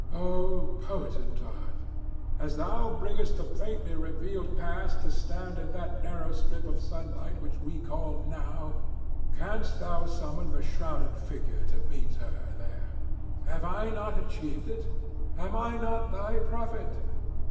O potent Art! as thou bringest the faintly revealed past to stand in that narrow strip of sunlight which we call 'now,' canst thou summon the shrouded future to meet her there? Have I not achieved it? Am I not thy prophet?"